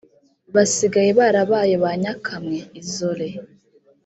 basigaye barabaye ba nyakamwe (isolés)